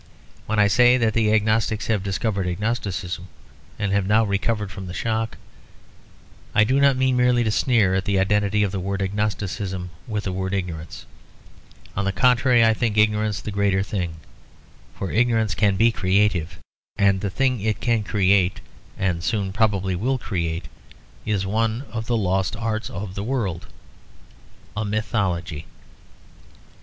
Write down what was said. When I say that the agnostics have discovered agnosticism, and have now recovered from the shock, I do not mean merely to sneer at the identity of the word agnosticism with the word ignorance. On the contrary, I think ignorance the greater thing; for ignorance can be creative. And the thing it can create, and soon probably will create, is one of the lost arts of the world; a mythology.